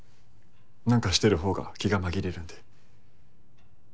何かしてるほうが気が紛れるんで。